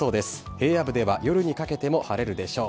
平野部では夜にかけても晴れるでしょう。